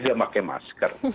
saya pakai masker